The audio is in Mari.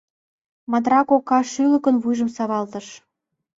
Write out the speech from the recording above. Матра кока шӱлыкын вуйжым савалтыш.